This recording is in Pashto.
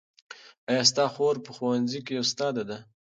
ایا ستا خور په ښوونځي کې استاده ده؟